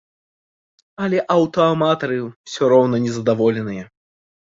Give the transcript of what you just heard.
Але аўтааматары ўсё роўна незадаволеныя.